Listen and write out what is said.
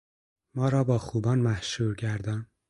ما را با خوبان محشور گردان